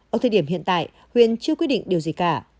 ở thời điểm hiện tại huyện chưa quyết định điều gì cả